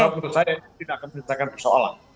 maksud saya tidak akan menyebutkan persoalan